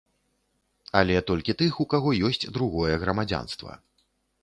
Але толькі тых, у каго ёсць другое грамадзянства.